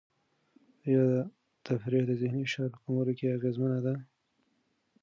آیا تفریح د ذهني فشار په کمولو کې اغېزمنه ده؟